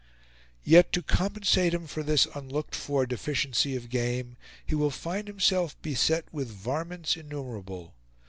Yet, to compensate him for this unlooked for deficiency of game, he will find himself beset with "varmints" innumerable.